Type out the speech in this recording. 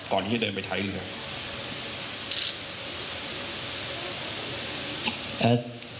ก่อนที่เดินไปไทยหรือไม่ครับ